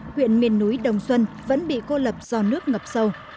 huyện miền núi đồng xuân vẫn bị cô lập do nước ngập sâu